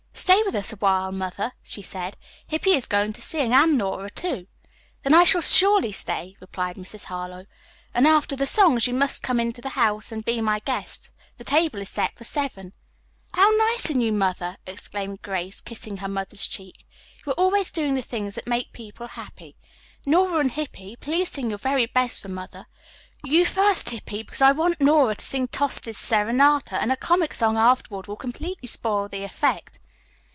"Stay with us awhile, Mother," she said. "Hippy is going to sing, and Nora, too." "Then I shall surely stay," replied Mrs. Harlowe. "And after the songs you must come into the house and be my guests. The table is set for seven." "How nice in you, Mother!" exclaimed Grace, kissing her mother's cheek. "You are always doing the things that make people happy. Nora and Hippy, please sing your very best for Mother. You first, Hippy, because I want Nora to sing Tosti's 'Serenata,' and a comic song afterward will completely spoil the effect."